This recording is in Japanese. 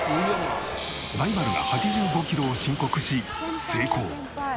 ライバルが８５キロを申告し成功。